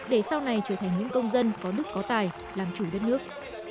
để sau này trở thành những công dân có đức có tài làm chủ đất nước